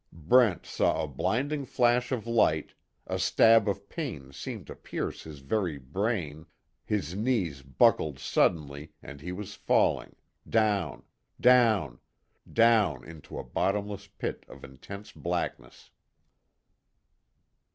Brent saw a blinding flash of light, a stab of pain seemed to pierce his very brain, his knees buckled suddenly and he was falling, down, down, down, into a bottomless pit of intense blackness.